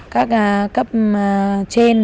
các cấp trên